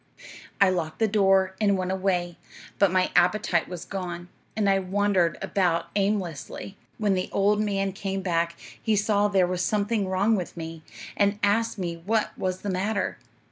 "'I locked the door, and went away; but my appetite was gone, and I wandered about aimlessly. When the old man came back, he saw there was something wrong with me, and asked me what was the matter.